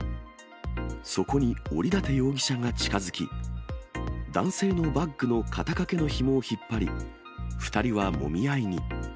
そこに、折館容疑者が近づき、男性のバッグの肩掛けのひもを引っ張り、２人はもみ合いに。